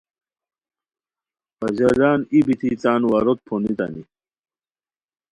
پژالان ای بیتی تان واروت پھونتانی